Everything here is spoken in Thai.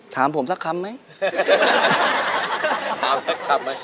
ถามผมสักคำไหม